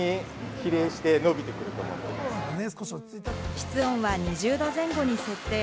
室温は２０度前後に設定。